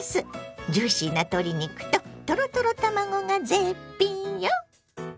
ジューシーな鶏肉とトロトロ卵が絶品よ！